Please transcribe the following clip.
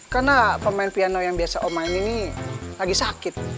karena pemain piano yang biasa om main ini lagi sakit